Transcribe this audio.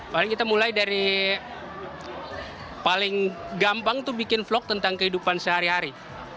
paling kita mulai dari paling gampang itu bikin vlog tentang kehidupan sehari hari